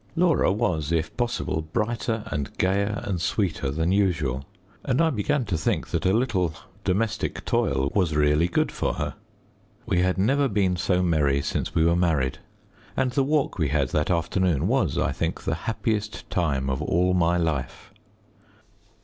Laura was, if possible, brighter and gayer and sweeter than usual, and I began to think that a little domestic toil was really good for her. We had never been so merry since we were married, and the walk we had that afternoon was, I think, the happiest time of all my life.